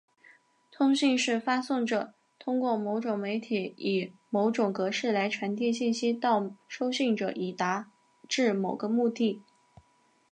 通信是发送者通过某种媒体以某种格式来传递信息到收信者以达致某个目的。